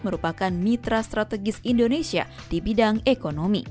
merupakan mitra strategis indonesia di bidang ekonomi